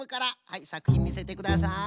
はいさくひんみせてください。